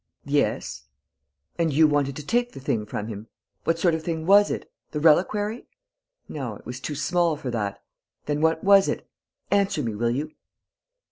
"Yes." "And you wanted to take the thing from him. What sort of thing was it? The reliquary? No, it was too small for that.... Then what was it? Answer me, will you?..."